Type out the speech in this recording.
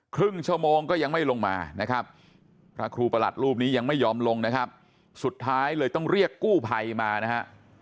ครึ่งชั่วโมงก็ยังไม่ลงมานะครับพระครูประหลัดรูปนี้ยังไม่ยอมลงนะครับสุดท้ายเลยต้องเรียกกู้ภัยมานะฮะ